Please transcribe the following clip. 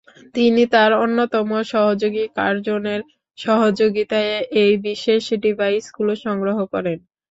তিনি তাঁর অন্যতম সহযোগী কার্জনের সহযোগিতায় এই বিশেষ ডিভাইসগুলো সংগ্রহ করেন।